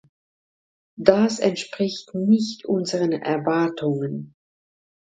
Das entspricht nicht unseren Erwartungen.